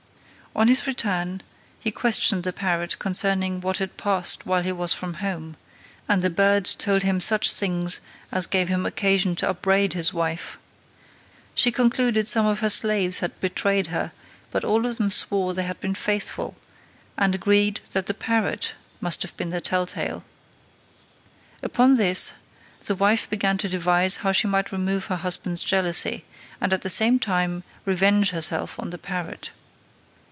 On his return, he questioned the parrot concerning what had passed while he was from home, and the bird told him such things as gave him occasion to upbraid his wife. She concluded some of her slaves had betrayed her, but all of them swore they had been faithful, and agreed that the parrot must have been the tell tale. Upon this, the wife began to devise how she might remove her husband's jealousy, and at the same time revenge herself on the parrot.